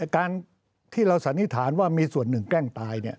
การที่เราสันนิษฐานว่ามีส่วนหนึ่งแกล้งตาย